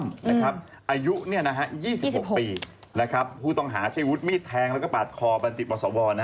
อายุ๒๖ปีผู้ต้องหาชีวิตมีดแทงแล้วก็ปาดคอบันดิษฐ์มศ